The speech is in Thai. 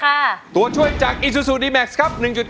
คุณยายแดงคะทำไมต้องซื้อลำโพงและเครื่องเสียง